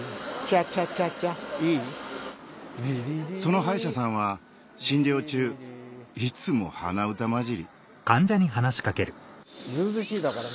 チャッチャッチャその歯医者さんは診療中いつも鼻歌交じり